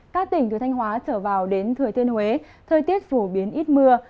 các tỉnh từ thanh hóa trở vào đến thừa thiên huế thời tiết phổ biến ít mưa